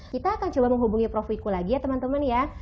kita akan coba menghubungi prof wiku lagi ya teman teman ya